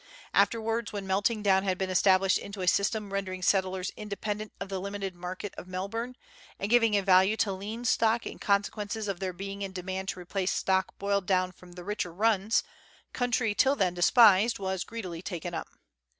Afterwards, when melting down had been established into a system rendering settlers inde pendent of the limited market of Melbourne, and giving a value to lean stock in consequence of their being in demand to replace stock boiled down from the richer runs, country till then despised was greedily taken up.